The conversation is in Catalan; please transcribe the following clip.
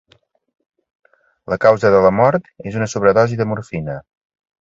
La causa de la mort és una sobredosi de morfina.